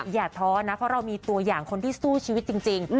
อย่าท้อนะเพราะเรามีตัวอย่างคนที่สู้ชีวิตจริง